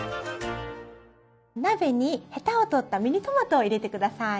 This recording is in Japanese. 鍋にヘタを取ったミニトマトを入れて下さい。